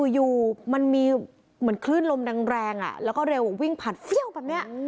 อยู่มันมีเหมือนคลื่นลมแรงแล้วก็เร็ววิ่งผัดเฟี้ยวแบบนี้